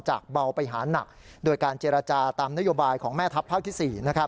เบาไปหานักโดยการเจรจาตามนโยบายของแม่ทัพภาคที่๔